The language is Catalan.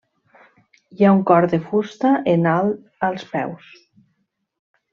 Hi ha un cor de fusta en alt als peus.